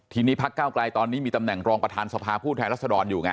ทีนี้พักเก้าไกลตอนนี้มีตำแหน่งรองประธานสภาผู้แทนรัศดรอยู่ไง